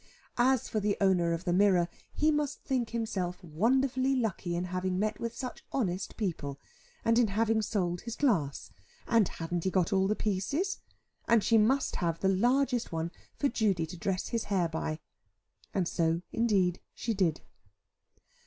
As for the owner of the mirror, he must think himself wonderfully lucky in having met with such honest people, and in having sold his glass, and hadn't he got all the pieces, and she must have the largest one for Judy to dress his hair by. And so indeed she did.